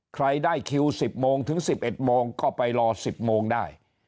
ใครได้คิว๑๐โมงถึง๑๑โมงก็ไปรอ๑๐โมงได้